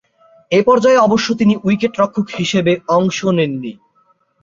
এ পর্যায়ে অবশ্য তিনি উইকেট-রক্ষক হিসেবে অংশ নেননি।